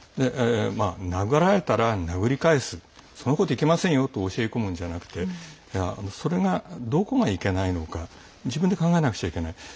殴られたら殴り返すそんなこといけませんよと教え込むんじゃなくてそれがどこがいけないのか自分で考えなくちゃいけない。